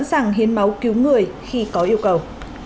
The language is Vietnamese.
cứu người khi có yêu cầu